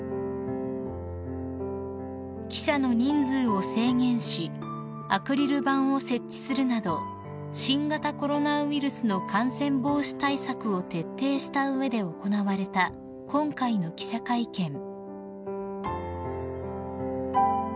［記者の人数を制限しアクリル板を設置するなど新型コロナウイルスの感染防止対策を徹底した上で行われた今回の記者会見］